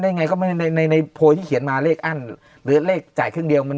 ยังไงก็ไม่ในในโพยที่เขียนมาเลขอั้นหรือเลขจ่ายครึ่งเดียวมัน